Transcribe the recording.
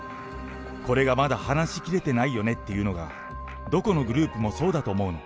これがまだ話し切れてないよねっていうのが、どこのグループもそ